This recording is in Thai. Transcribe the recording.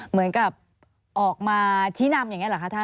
เหมือนกับออกมาชี้นำอย่างนี้หรอคะท่าน